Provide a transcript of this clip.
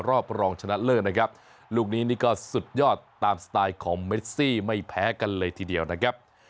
รอบรองชนะเลิศนะครับลูกนี้นี่ก็สุดยอดตามสไตล์ของเมซี่ไม่แพ้กันเลยทีเดียวนะครับ